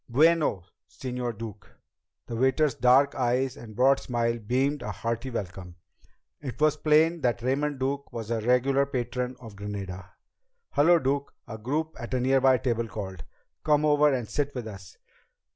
"Bueno, Señor Duke!" The waiter's dark eyes and broad smile beamed a hearty welcome. It was plain that Raymond Duke was a regular patron of the Granada. "Hello, Duke!" a group at a nearby table called. "Come over and sit with us."